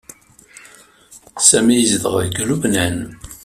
Sami yezdeɣ deg Lubnan.